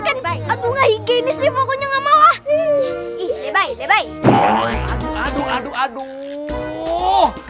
kembali aduh higienisnya pokoknya enggak mau ah iya bye bye bye aduh aduh aduh aduh